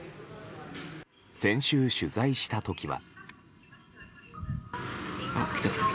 先週、取材した時は。